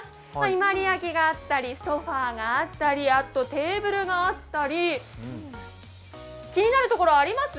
伊万里焼があったりソファーがあったりあと、テーブルがあったり、気になるところあります？